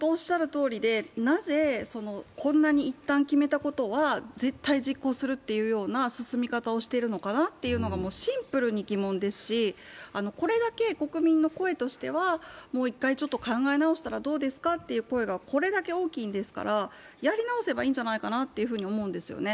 なぜこんなに一旦決めたことは絶対実行するっていうような進み方をしているのかなっていうのがシンプルに疑問ですしこれだけ国民の声としてもう一回考え直したらどうですかという声がこれだけ大きいんですからやり直せばいいんじゃないかと思うんでね。